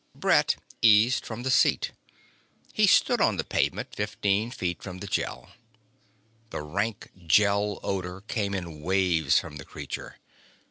Brett eased from the seat. He stood on the pavement, fifteen feet from the Gel. The rank Gel odor came in waves from the creature.